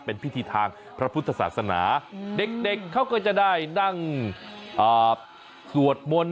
เป็นพิธีทางพระพุทธศาสนาเด็กเขาก็จะได้นั่งสวดมนต์